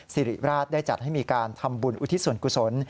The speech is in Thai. สิริราชได้จัดให้มีการทำบุญอุทิศส่วนกุศล